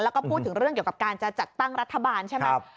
แล้วก็พูดถึงเรื่องเกี่ยวกับการจะจัดตั้งรัฐบาลใช่ไหม